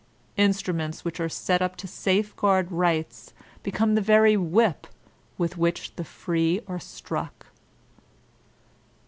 Instruments which are set up to safeguard rights become the very whip with which the free are struck.